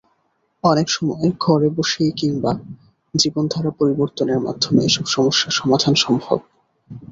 অনেক সময় ঘরে বসেই কিংবা জীবনধারা পরিবর্তনের মাধ্যমে এসব সমস্যার সমাধান সম্ভব।